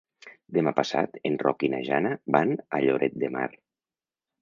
Demà passat en Roc i na Jana van a Lloret de Mar.